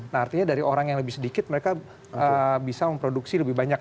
nah artinya dari orang yang lebih sedikit mereka bisa memproduksi lebih banyak